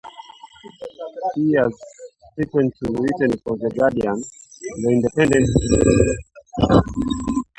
He has frequently written for "The Guardian", "The Independent" and "The Times".